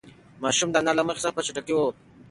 ماشوم د انا له مخې څخه په چټکۍ ووت.